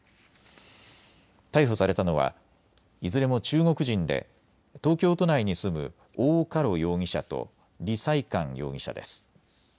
逮捕されたのはいずれも中国人で東京都内に住む王嘉ろ容疑者と李さい寒容疑者です。